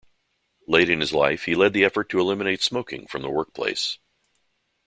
Late in his life he led the effort to eliminate smoking from the workplace.